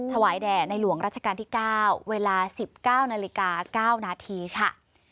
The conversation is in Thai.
แด่ในหลวงราชการที่๙เวลา๑๙นาฬิกา๙นาทีค่ะ